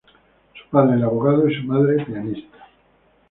Su padre era abogado y su madre pianista.